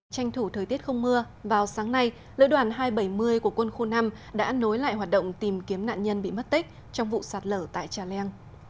tranh thủ thời tiết không mưa vào sáng nay lữ đoàn hai trăm bảy mươi của quân khu năm đã nối lại hoạt động tìm kiếm nạn nhân bị mất tích trong vụ sạt lở tại trà leng